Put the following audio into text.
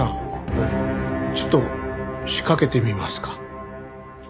ちょっと仕掛けてみますか？